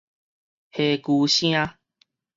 痚呴聲